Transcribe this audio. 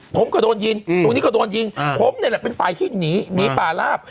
ผมก็โดนยิงตรงนี้ก็โดนยิงผมนี่แหละเป็นฝ่ายที่หนีหนีป่าลาบ